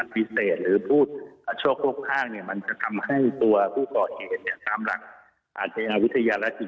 มีผู้ร่วมกันทำความผิดไหม